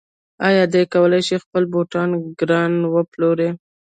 آیا دی کولی شي خپل بوټان ګران وپلوري؟